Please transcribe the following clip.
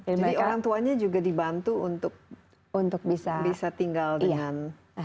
jadi orang tuanya juga dibantu untuk bisa tinggal dengan